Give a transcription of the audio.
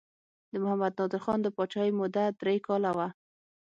د محمد نادر خان د پاچاهۍ موده درې کاله وه.